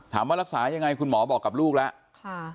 รักษายังไงคุณหมอบอกกับลูกแล้ว